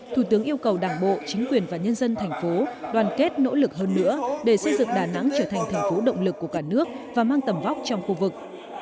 thủ tướng yêu cầu đảng bộ chính quyền và nhân dân thành phố đoàn kết nỗ lực hơn nữa để xây dựng đà nẵng trở thành thành phố động lực của cả nước và mang tầm vóc trong khu vực